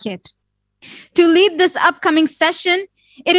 untuk memimpin sesi ini